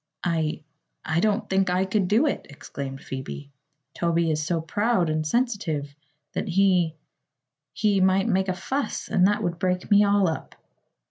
"I I don't think I could do it!" exclaimed Phoebe. "Toby is so proud and sensitive that he he might make a fuss, and that would break me all up."